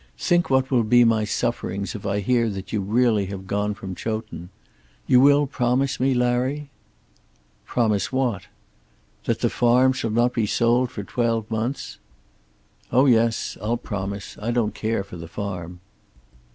Think what will be my sufferings if I hear that you have really gone from Chowton. You will promise me, Larry?" "Promise what?" "That the farm shall not be sold for twelve months." "Oh yes; I'll promise. I don't care for the farm."